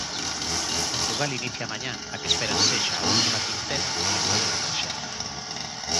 Portugal inicia mañá a que esperan sexa a última quincena en estado de emerxencia.